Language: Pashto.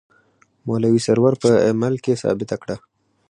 مولوي سرور په عمل کې ثابته کړه.